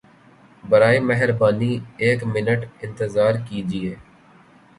برائے مہربانی ایک منٹ انتظار کیجئیے!